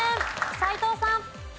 斎藤さん。